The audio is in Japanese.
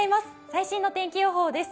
最新の天気予報です。